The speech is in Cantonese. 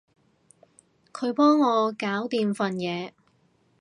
佢幫我搞掂份嘢